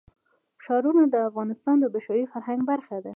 ښارونه د افغانستان د بشري فرهنګ برخه ده.